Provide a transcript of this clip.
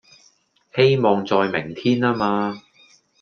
希望在明天啊嘛